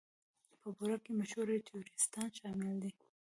په بورډ کې مشهور تیوریستان شامل دي.